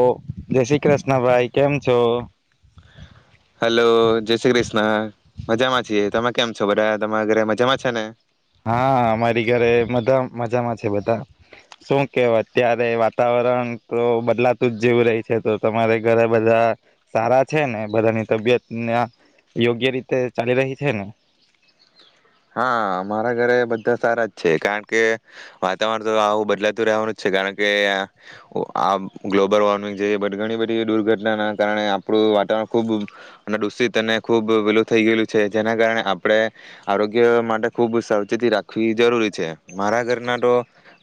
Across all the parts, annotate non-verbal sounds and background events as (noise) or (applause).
ઓ જય શ્રી કૃષ્ણ ભાઈ કેમ છો. હલો જય શ્રી કૃષ્ણ મજા માં છીએ તમે કેમ છો બધા તમારા ઘરે મજામાં છે ને હા અમારી ઘરેા મજામાં છે બધા શું કેવ અત્યારે વાતાવરણ તો બદલાતું જ જેવું રહી છે તો તમારે ઘરે બધા સારા છે ને બધાની તબિયત ત્યા યોગ્ય રીતે ચાલી રહી છે ને હા મારા ઘરે બધા સારા જ છે કારણ કે વાતાવરણ તો આવું બદલાતું રહેવાનું જ છે કારણ કે આ ગ્લોબલ વોર્મિંગ જે ઘણી બધી દુર્ઘટનાના કારણે આપણું વાતાવરણ ખૂબ દૂષિત અને ખૂબ પેલું થઈ ગયેલું છે જેના કારણે આપણે આરોગ્ય માટે ખુબ સાવચેતી રાખવી જરૂરી છે મારા ઘરના તો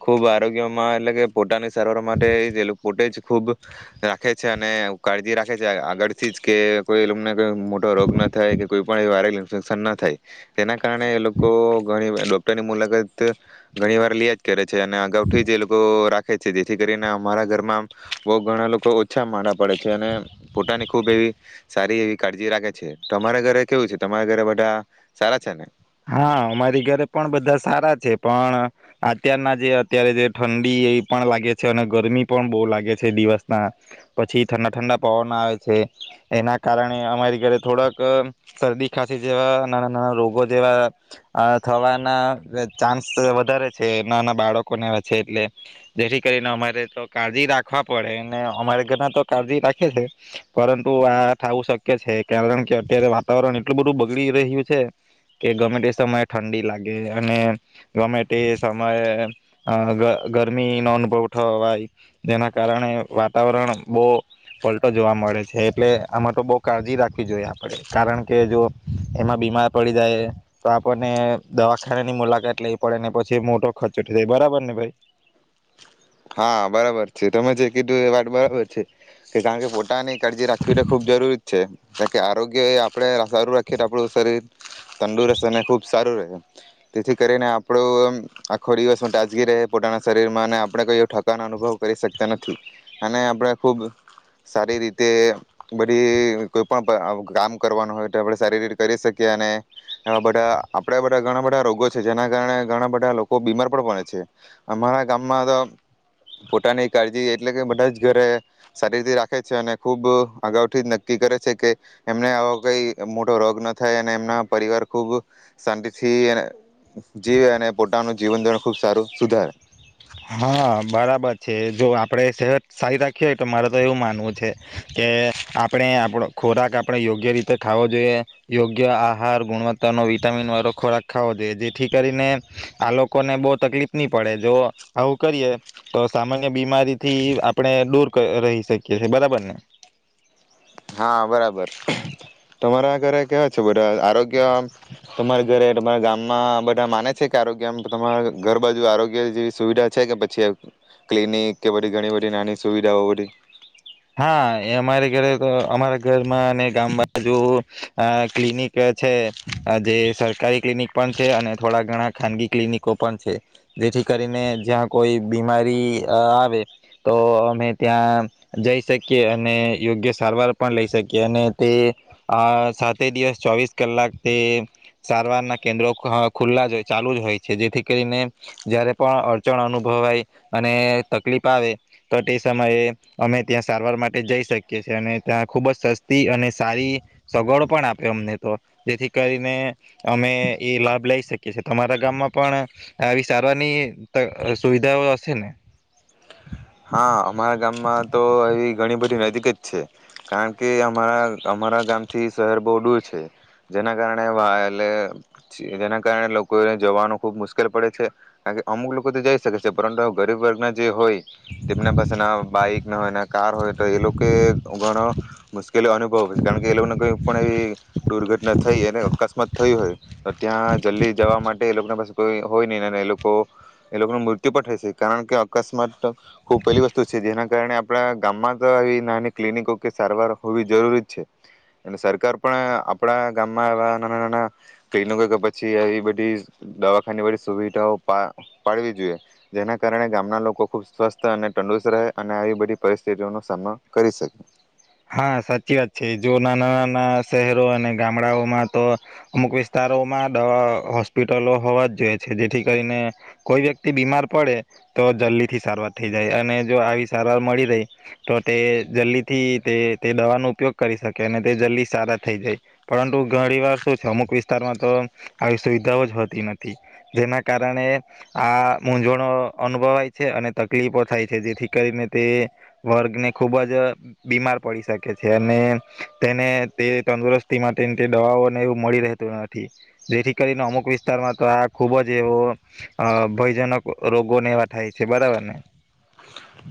ખૂબ આરોગ્યમાં એટલે કે પોતાની સારવાર માટે પોતે જ ખૂબ રાખે છે અને કાળજી રાખે છે આગળથી જ કે કોઈ એને કો મોટો રોગ ના થાય કે કોઈ પણ વાયરલ ઇન્ફેક્શન ના થાય. તેના કારણે એ લોકો ઘણી ડોક્ટરની મુલાકાત ઘણી વાર લ્યા જ કરે છે અને અગાઉથી જ એ લોકો રાખે છે જેથી કરીને અમારા ઘરમાં બહુ ઘણા લોકો ઓછા મારા પડે છે, અને પોતાની ખૂબ એવી સારી એવી કાળજી રાખે છે તમારા ઘરે કેવું છે, તમારા ઘરે બધા સાર છે ને હા અમારી ઘરે પણ બધા સારા છે પણ અત્યારના જે અત્યારે જે ઠંડી એ પણ લાગે છે અને ગરમી પણ બહુ લાગે છે દિવસના પછી ઠંડા ઠંડા પવન આવે છે એના કારણે અમારી ઘરે થોડાક શરદી ખાંસી જેવા નાના નાના રોગો જેવા આ થવાના ચાન્સ વધારે છે એનાના બાળકોને છે એટલે જેથી કરીને અમારે તો કાળજી રાખવા પડે અમારે ઘરના તો કાળજી રાખે છે પરંતુ આ થવું શક્ય છે કારણ કે અત્યારે વાતાવરણ એટલું બધું બગડી રહ્યું છે કે ગમે તે સમયે ઠંડી લાગે અને ગમે તે સમયે ગરમીનો અનુભવ થવાય જેના કારણે વાતાવરણ બહુ પલટો જોવા મળે છે એટલે આમાં તો બહુ કાળજી રાખવી જોઈએ આપણે કારણ કે જો એમાં બીમાર પડી જાય તો આપણને દવાખાના ની મુલાકાત લઈવી પડે ને પછી મોટો ખર્ચો થ જાય બરાબર ને ભાઈ હા બરાબર છે તમે જે કીધું એ વાત બરાબર છે કે કારણ કે પોતાની કાળજી રાખવી ખૂબ જરૂરી છે. કાર કે આરોગ્ય એ આપડણે સારું રાખીએ તો આપણું શરીર તંદુરસ્ત અને ખુબ સારું રહે, તેથી કરીને આપણું આખો દિવસમાં તાજગી રહે પોતાના શરીર માંને આપણે કઈ ઠકાનો અનુભવ કરી શકતા નથી અને આપણે ખૂબ સારી રીતે બધી કોઈ પણ કામ કરવાનું હોય તો આપણે સારી રીતે કરી શકીએ અને એવા બધા આપણા બધા ઘણા બધા રોગો છે જેના કારણે ઘણા બધા લોકો બીમાર પણ પડે છે અમારા ગામમાં તો પોતાની કાળજી એટલે કે બધા જ ઘરે સારી રીતે રાખે છે અને ખૂબ અગાઉથી જ નક્કી કરે છે કે એમને આવો કઈ મોટો રોગ ન થાય અને એમના પરિવાર ખૂબ શાંતિથી જીવે અને પોતાનું જીવન ધોરણ ખૂબ સારું સુધારે હા બરાબર છે જો આપણે સેહત સારી રાખીએ હોય તો મારે તો એવું માનવું છે કે આપણે આપો ખોરાક આપણે યોગ્ય રીતે ખાવો જોઈએ યોગ્ય આહાર ગુણવત્તાનો વિટામીન વાળો ખોરાક ખાવો જોઈએ જેથી કરીને આ લોકોને બહુ તકલીફ નહી પડે જો આવું કરીએ તો સામાન્ય બીમારી થી આપણે દૂર રહી શકીએ છે બરાબર ને હા બરાબર તમારા ઘરે કેવા છે બધા આરોગ્ય તમારા ઘરે તમારા ગામમાં બધા માને છે કે આરોગ્યમ તમારા ઘર બાજુ આરોગ્ય જેવી સુવિધા છે કે પછી ક્લિનિક કે બધી ઘણી બધી નાની સુવિધાઓ બધી. હા એ અમારે ઘરે તો અમારા ઘરમાં અને ગામ બાજુ ક્લિનિક છે જે સરકારી ક્લિનિક પણ છે અને થોડા ઘણા ખાનગી ક્લિનિકો પણ છે જેથી કરીને જ્યાં કોઈ બીમારી આવે તો અમે ત્યાં જઈ શકીએ અને યોગ્ય સારવાર પણ લઈ શકીએ અને તે સાતે દિવસ ચોવીસ કલાક તે સારવારના કેન્દ્રો ખુલ્લા જ ચાલુ જ હોય છે જેથી કરીને જ્યારે પણ અડચણ અનુભવાય અને તકલીફ આવે તો તે સમયે અમે ત્યાં સારવાર માટે જઈ શકીએ છેએ અને ત્યાં ખુબ જ સસ્તી અને સારી સગવડો પણ આપે અમને તો જેથી કરીને અમે એ લાભ લઈ શકીએ છે તમારા ગામમાં પણ આવી સારવારની સુવિધાઓ હશે ને હા અમારા ગામમાં તો એ ઘણી બધી નજીક જ છે કારણ કે અમારા અમારા ગામથી શહેર બહુ દૂર છે જેના કારણે એટલે જેના કારણે લોકોને જોવાનું ખુબ મુશ્કેલ પડે છે કારણ કે અમુક લોકો તો જઈ શકે છે પરંતુ ગરીબ વર્ગના જે હોય તેમના પાસે ના બાઈક હોય કાર હોય તો એ લોકો ઘણો મુશ્કેલી અનુભવ છે કારણ કે એ લોકોને કઈ પણ એવી દુર્ઘટના થઈ અને અકસ્માત થય હોય તો ત્યાં જલ્દી જવા માટે એ લોકોના પાસે કોઈ હોય નહીં એ લોકો એ લોકોનું મૃત્યુ પણ થઈ છે કારણ કે અકસ્માત ખૂબ પહેલી વસ્તુ છે જેના કારણે આપણા ગામમાં તો આવી નાની ક્લિનિકો કે સારવાર હોવી જરૂરી જ છે અને સરકાર પણ આપણા ગામમાં એવા નાના નાના ક્લિનિકો કે પછી એ બધી દવાખાની બધી સુવિધાઓ પાડવી જોઈએ જેના કારણે ગામના લોકો ખૂબ સ્વસ્થ અને તંદડુસ્ત રહે અને આવી બધી પરિસ્થિતિઓનો સામનો કરી શકે હા સાચી વાત છે જો નાના નાના શહેરો અને ગામડાઓમાં તો અમુક વિસ્તારોમાં દવા હોસ્પિટલો હોવા જ જોઈએ છે જેથી કરીને કોઈ વ્યક્તિ બીમાર પડે તો જલ્દી થી સારવાર થઈ જાય અને જો આવી સારવાર મળી રહી તો તે જલ્દીથી તે તે દવાનો ઉપયોગ કરી શકે અને તે જલ્દી સારા થઈ જાય પરંતુ ઘણી વાર શું છે અમુક વિસ્તારમાં તો આવી સુવિધાઓ જ હોતી નથી જેના કારણે આ મૂઝવણો અનુભવાય છે અને તકલીફો થાય છે જેથી કરીને તે વર્ગને ખૂબ જ બીમાર પડી શકે છે અને તેને તે તંદુરસ્તી માટે તે દવાઓને એવું મળી રહેતું નથી જેથી કરીને અમુક વિસ્તારમાં તો આ ખુબ જ એવો ભયજનક રોગોને એવા થાય છે બરાબર ને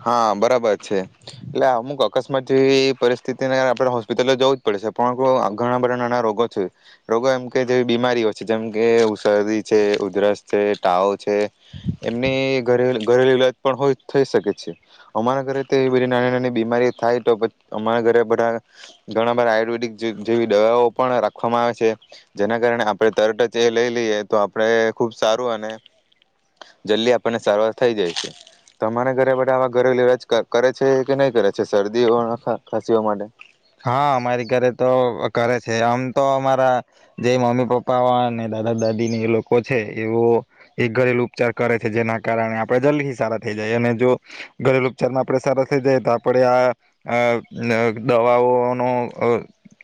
હા બરાબર છે એટલે અમુક અકસ્માત જેવી પરિસ્થિતિને આપણે હોસ્પિટલો જવું જ પડે છે પણ ઘણા બધા નાના રોગો છે રોગો એમ કે જેવી બીમારીઓ છે જેમ કે ઉ સદી છે, ઉધરસ છે, ટાવ છે. છે એમની ઘરેલ ઘરેલી લઇલાજ પણ હોય થઈ શકે. અમારા ઘરે એ બધી નાની નાની બીમારી થાય તોછી અમારા ઘરે બધા ઘણા બધ આયુર્વેદિક જેવી દવાઓ પણ રાખવામાં આવે છે જેના કારણે આપણે તરટ જ એ લઈ લઈએ તો આપણે ખુબ સારું અને જલ્દી આપણને સારવાર થઈ જાય છે તો અમારા ઘરે આવા ઘરે લવાજ કરે છે કે નહી કરે છે શરદીઓ ખસીઓ માટે? હા અમારી ઘરે તો કરે છે આમ તો અમારા જે મમ્મી પપ્પા અને દાદા દાદી ને એ લોકો છે એવો એ ઘરેલુ ઉપચાર કરે છે જેના કારણે આપણેે જલ્દી સારા થઇ જાય અને જો ઘરેલુ ઉપચારમાં આપડે સારા થઇ જાય તો આપણેે આ દવાઓનો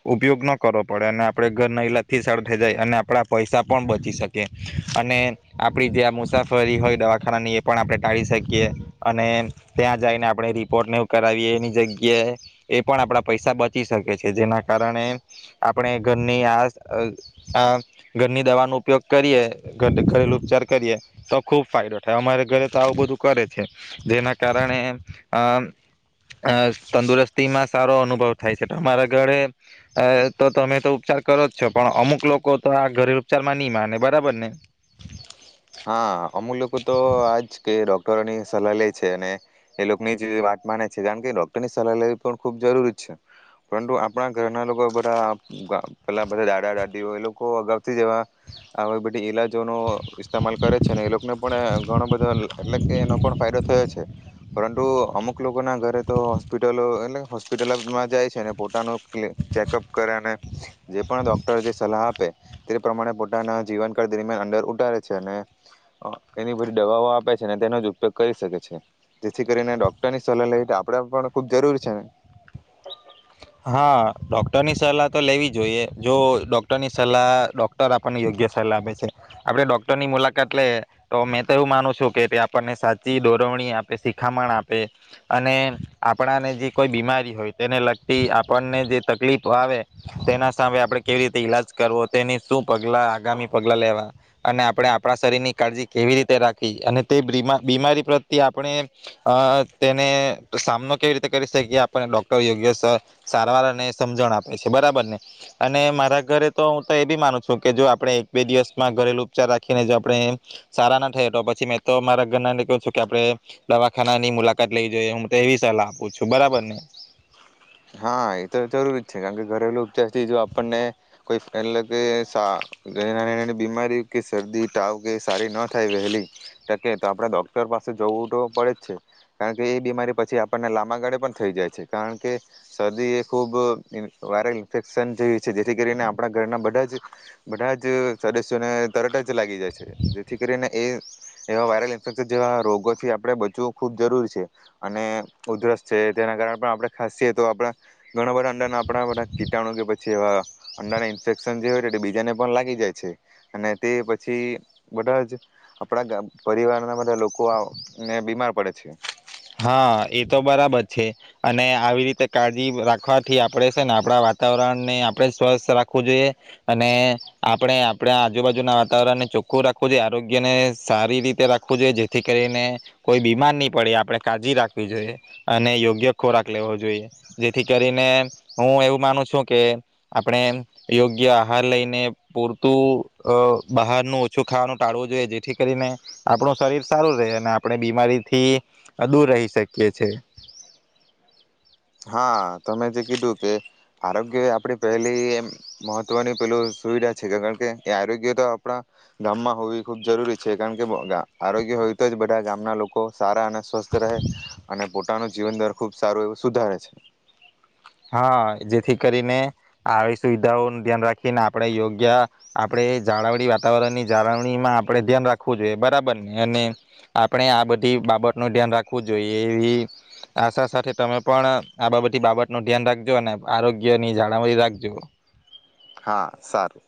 ઉપયોગ ન કરવો પડે અને આપણે ઘર ન લથી સર થઈ જાય અને આપણા પૈસા પણ બચી શકીએ અને આપણી જે આ મુસાફરી હોય દવાખાનાની એ પણ આપણે ટાળી શકીએ અને ત્યાં જઈને આપણે રિપોર્ટ ને એવું કરાવીએ એની જગ્યાએ એ પણ આ પૈસા બચી શકે છે જેના કારણે આપણે ઘરની આ ઘરની દવાનો ઉપયોગ કરીએ ઘ ઘરેલું ઉપચાર કરીએ તો ખૂબ ફાયદો થાય અમારે ઘરે તો આવું બધું કરે છે જેના કારણે તંદુરસ્તીમાં સારો બહુ થાય છે તમારા ઘરે તો તમે તો ઉપચાર કરો જ છો પણ અમુક લોકો તો આ ઘરે ઉપચારમાં નહી માને બરાબર ને હા અમુક લોકો તો આજ કે ડોક્ટરોની સલાહ લે છે અને એ લોકોની જ વાત માને છે કારણ કે ડોક્ટરની સલાહ લે પણ ખુબ જરૂરી છે પરંતુ આપણા ઘરના લોકો બધા પેલા બધા દાદા દાદીઓ એ લોકો અગાઉથી જેવા બધી ઈલાજોનો લ કરે છે ને એ લોકોને પણ ઘણો બધો એટલે કે એનો પણ ફાયદો થયો છે. અમુક લોકો ના ઘરે તો હોસ્પિટલો એટલે હોસ્પિટલમાં જાય છેને પોતાનું ચેકઅપ કરે અને જે પણ ડોક્ટર જે સલાહ તે પ્રમાણે પોતાના જીવનકાળ દરમિયાન અંદર અને એની બધી દવાઓ આપે છે અને તેનો જ ઉપયોગ કરી શકે છે જેથી કરીને ડોક્ટરની સલાહ લઈ આપણે પણ ખુબ જરૂરી છે ને. હા ડોક્ટરની સલાહ તો લેવી જોઈએ જો ડોક્ટરની સલાહ ડોક્ટર આપણને યોગ્ય સલાહ આપે છે આપણે ડોક્ટરની મુલાકાત લઈએ તો મેં તો એવું માનું છું કે ભ આપણને સાચી દોરવણી આપે શિખામણ આપે અને આપણાને જે કોઈ બીમારી હોય તેને થી આપણને જે તકલીફ આવે તેના સામે આપણે કેવી રીતે ઈલાજ કરવો તેની શું પગલાં આગામી પગલાં લેવા અને આપણે આપણા શરીરની કાળજી કેવી રીતે રાખી અને તે બીમા બીમારી પ્રત્યે આપણે તેને સામનો કેવી રીતે કરી શકીએ આપને ડૉક્ટર યોગ્ય સારવાર અને સમજણ આપે છે બરાબર ને અને મારા ઘરે તો હું તો એ બી માનું છું કે જો આપણે એક બે દિવસમાં ઘરેલુ ઉપચાર રાખીને જો આપણે સારા ના થયા તો પછી મેં તો મારા ઘરના કહું છું કે આપણે દવાખાના ની મુલાકાત લેવી જોઈએ હું તો એવી સલાહ આપું છું બરાબર ને. હા એ તો જરૂરી જ છે કારણ કે ઘરેલુ ઉપચાર થી જો આપણને કોઈ એટલે કે નાની નાની બીમારી કે શરદી તાવ કે સારી ન થાય વહેલી ટકે તો આપણે ડોક્ટર પાસે જવું તો પડે જ છે કારણ કે એ બીમારી પછી આપણને લાંબા ગાળે પણ થઈ જાય છે કારણ શરદી એ ખૂબ વાયરલ ઇન્ફેક્શન જેવી છે જેથી કરીને આપણા ઘરના બધા જ બધા જ સદસ્યોને તરત જ લાગી જાય છે જેથી કરીને એ એવા વાયરલ ઇન્ફેક્શન જેવા રોગોથી આપણે બચવું ખૂબ જરૂરી છે અને ઉધરસ છે, તેના કારણે પણ આપણે ખાસિ તો આપણા ઘણા બધા અંડાના આપણા બધા કીટાણુ કે પછી એવા અંડાના ઇન્ફેક્શન જે હોય બીજાને પણ લાગી જાય છે, અને તે પછી બધા જ આપણા પરિવારના બધા લોકોને બીમાર પડે છે. હા એતો બરાબર છે, અને આવી રીતે કાળજી રાખવાથી આપણેે છે, ને આપણા વાતાવરણને આપણે સ્વસ્થ રાખવું જોઈએ અને આપણે આપણા આજુબાજુના વાતાવરણને ચોખ્ખું રાખવું જોઈએ આરોગ્યને સારી રીતે રાખવું જોઈએ જેથી કરીને કોઈ બીમાર નહી પડે કાજી રાખવી જોઈએ અને યોગ્ય ખોરાક લેવો જોઈએ જેથી કરીને હું એવું માનું છું કે આપણે યોગ્ય આહાર લઈને પૂરતું બહારનું ઓછું ખાવાનું ટાળવું જોઈએ જેથી કરીને આપણું શરીર સારું રહે અને આપણે બીમારીથી આધૂર રહી શકીએ છે. હા તમે જે કીધું કે આરોગ્ય આપણી પહેલી એ મહત્વની પેલું સુવિધા છે કારણ કે એ આરોગ્ય તો આપણા ગામમાં હોવી ખૂબ જરૂરી છે કારણ કે આરોગ્ય હોય તો જ બધા ગામના લોકો સારા અને સ્વસ્થ રહે અને પોતાનું જીવન દર ખૂબ સારું એવું સુધારે (inaudible) હા જેથી કરીને આવી સુવિધાઓનું ધ્યાન રાખીને આપણે યોગ્ય આપણે જાળવણી વાતાવરણની જાળવણીમાં આપણે ધ્યાન રાખવું જોઈએ બરાબર ને અને આપણે આ બધી બાબત નું ધ્યાન રાખવું જોઈએ એવી આશા સાથે તમે પણ આ બધી બાબતે નું ધ્યાન રાખજો અને આરોગ્યની જાળ રાખજો. હા સારું.